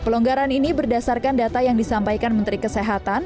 pelonggaran ini berdasarkan data yang disampaikan menteri kesehatan